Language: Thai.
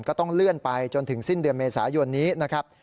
ก็ต้องเลื่อนไปจนถึงสิ้นเดือนเมษายนนี้นะครับ